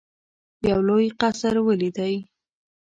یو لوی قصر ولیدی.